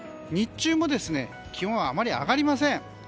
日中も気温はあまり上がりません。